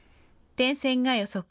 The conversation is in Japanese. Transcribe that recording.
点線が予測。